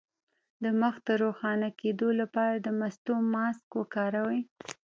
د مخ د روښانه کیدو لپاره د مستو ماسک وکاروئ